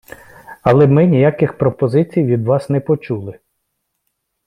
Але ми ніяких пропозицій від вас не почули.